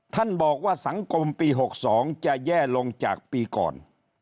ท่านบอกว่าสังคมปี๖๒จะแย่ลงจากปีก่อน